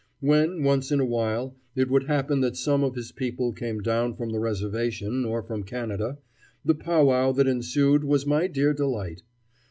When, once in a while, it would happen that some of his people came down from the Reservation or from Canada, the powwow that ensued was my dear delight.